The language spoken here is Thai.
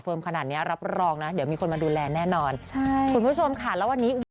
เดี๋ยวนี้เราก็พอเรื่องใหม่๒เรื่อง